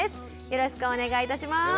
よろしくお願いします。